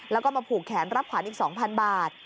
แล้วก็มาผูกแขนรับขวัญอีก๒๐๐บาท